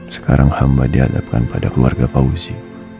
sekarang hamba dihadapkan pada keluarga fauzi